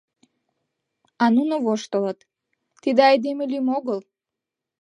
А нуно воштылыт: тиде айдеме лӱм огыл!